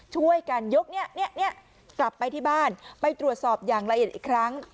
ช่วยกันยกกลับไปที่บ้านไปตรวจสอบอย่างละเอียดอีกครั้ง